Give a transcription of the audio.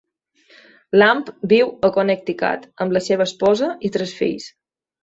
Lamb viu a Connecticut amb la seva esposa i tres fills.